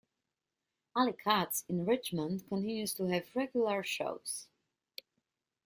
Alley Katz in Richmond continues to have regular shows.